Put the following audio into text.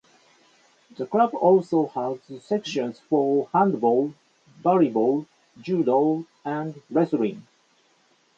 The club also has sections for handball, volleyball, judo and wrestling.